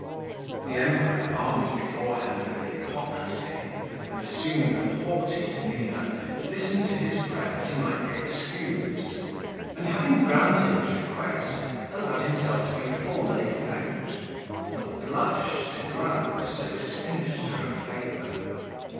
The Emperor, armed beforehand with hypocrisy, and assuming a haughty demeanour, listened to his prayer that he might be excused, and having granted his request allowed himself to be formally thanked, nor blushed to grant so sinister a favour.